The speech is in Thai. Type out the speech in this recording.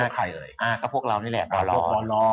ก็พวกเรานี่แหละบอลลอร์